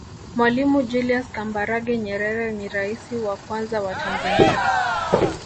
mwalimu julias kambarage nyerere ni raisi wa kwanza wa tanzania